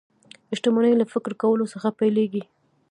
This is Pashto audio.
شتمني له فکر کولو څخه پيلېږي